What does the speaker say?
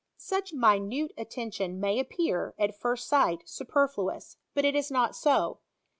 Such minute attention may appear, at first sight miperfluous; but it is not so.